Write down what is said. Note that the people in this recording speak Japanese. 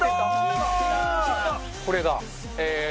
これだ。